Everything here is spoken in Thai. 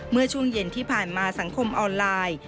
เมื่อช่วงเย็นที่ผ่านมาสังคมออนไลน์